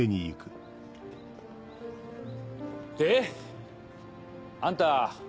であんた